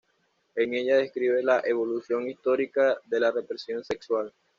En ellas describe la evolución histórica de la represión sexual.